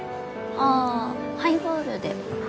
ああハイボールで。